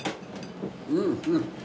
うんうん。